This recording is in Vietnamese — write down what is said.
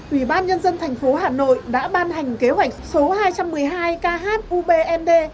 ủy ban nhân dân thành phố hà nội đã ban hành kế hoạch số hai trăm một mươi hai khubnd